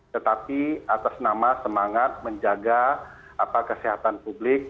tetapi atas nama semangat menjaga kesehatan publik